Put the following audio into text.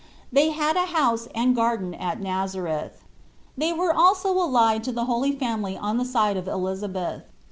They had a house and 30 ZTbe 1Flati\nt of garden at Nazareth. They were also allied to the Holy Family on the side of Eliza beth.